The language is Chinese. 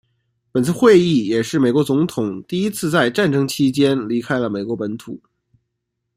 本次会议也是美国总统第一次在战争期间离开了美国本土。